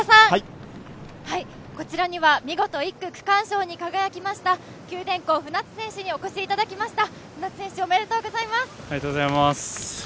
こちらには見事、１区区間賞に輝きました九電工・舟津選手にお越しいただきました、おめでとうございます。